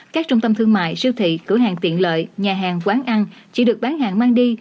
các trung tâm thương mại siêu thị cửa hàng tiện lợi nhà hàng quán ăn chỉ được bán hàng mang đi